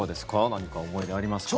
何か思い出ありますか？